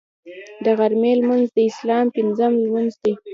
د غرمې لمونځ د اسلام پنځم لمونځ دی